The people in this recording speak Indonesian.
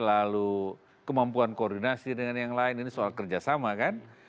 lalu kemampuan koordinasi dengan yang lain ini soal kerjasama kan